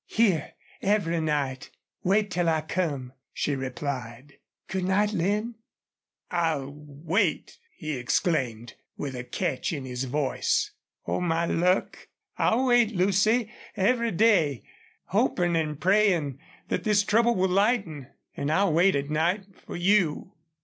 "Here, every night. Wait till I come," she replied. "Good night, Lin." "I'll wait!" he exclaimed, with a catch in his voice. "Oh, my luck! ... I'll wait, Lucy, every day hopin' an' prayin' that this trouble will lighten. An' I'll wait at night for you!"